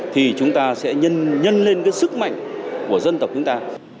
thì chúng ta sẽ nhân lên cái sức mạnh của dân tộc chúng ta